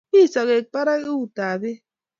Mi sogeek barak utap beek